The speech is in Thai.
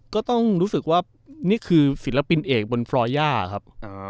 ก็ต้องรู้สึกว่านี่คือศิลปินเอกบนฟรอยย่าครับ